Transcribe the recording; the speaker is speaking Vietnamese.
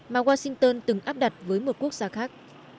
mà washington từng áp đặt với một quốc gia khác